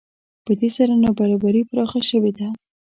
په دې سره نابرابري پراخه شوې ده